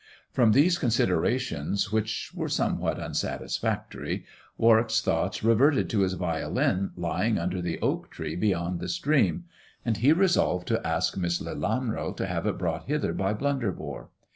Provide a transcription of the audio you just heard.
From these considerations, which were somewhat unsatisfactory, War wick's thoughts reverted to his violin lying under the oak tree beyond the stream, and he resolved to ask Miss Lelanro to have it brought hither by Blunderbore.